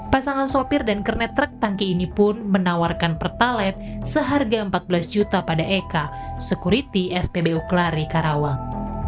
pasangan sopir dan kernet truk tangki ini pun menawarkan pertalat seharga empat belas juta pada eka sekuriti spbu klari karawang